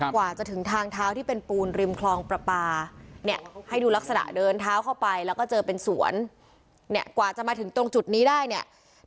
กว่าจะถึงทางเท้าที่เป็นปูนริมคลองประปาเนี่ยให้ดูลักษณะเดินเท้าเข้าไปแล้วก็เจอเป็นสวนเนี่ยกว่าจะมาถึงตรงจุดนี้ได้เนี่ย